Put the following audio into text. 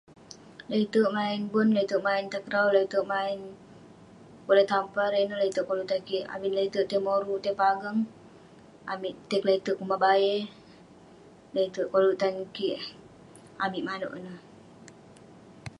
le'terk main bon, le'terk main takraw, le'terk main bola tampar..ineh le'terk koluk tan kik..abin le'terk tai moruk, tai pagang..amik tai kle'terk kuman bai'e..le'terk koluk tan kik..amik manouk ineh..